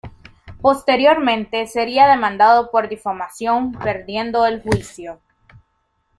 Posteriormente sería demandado por difamación, perdiendo el juicio.